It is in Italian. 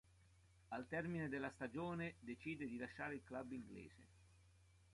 Al termine della stagione decide di lasciare il club inglese.